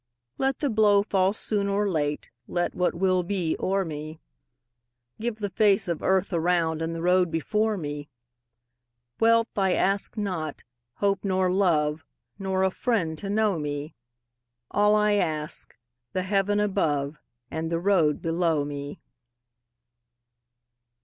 Let the blow fall soon or late, Let what will be o'er me; Give the face of earth around, And the road before me. Wealth I ask not, hope nor love, Nor a friend to know me; All I ask, the heaven above And the road below me.